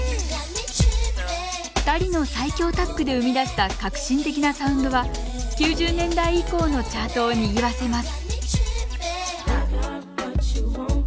２人の最強タッグで生み出した革新的なサウンドは９０年代以降のチャートをにぎわせます